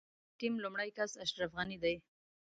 د ټيم لومړی کس اشرف غني دی.